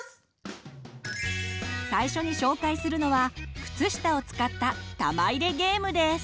最初に紹介するのは靴下を使った玉入れゲームです。